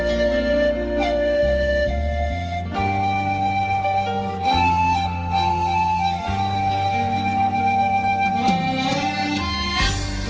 เอาล่ะตกแล้วค่ะ